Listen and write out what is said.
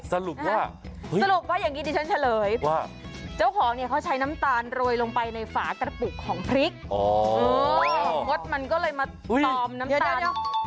สรุปว่าสรุปว่าอย่างนี้ดิฉันเฉลยว่าเจ้าของเนี่ยเขาใช้น้ำตาลโรยลงไปในฝากระปุกของพริกงดมันก็เลยมาตอมน้ำตาลเนอะ